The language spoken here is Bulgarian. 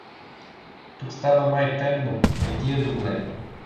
Тук стана май темно, не ти е добре.